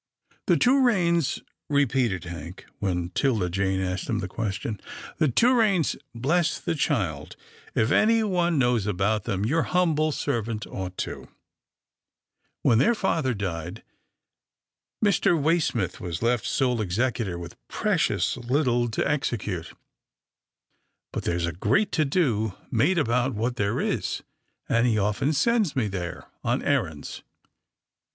" The Torraines," repeated Hank, when 'Tilda Jane asked him the question, " the Torraines — bless the child, if anyone knows about them, your humble servant ought to — When their father died, Mr. Way smith was left sole executor with precious little to execute, but there's a great to do made about what there is, and he often sends me there on errands."